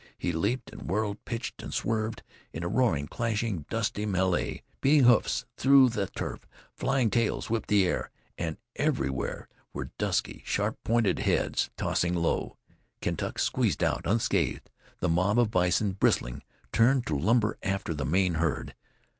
He leaped and whirled, pitched and swerved, in a roaring, clashing, dusty melee. Beating hoofs threw the turf, flying tails whipped the air, and everywhere were dusky, sharp pointed heads, tossing low. Kentuck squeezed out unscathed. The mob of bison, bristling, turned to lumber after the main herd.